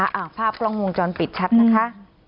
อ่าภาพกล้องวงจรปิดชัดนะคะ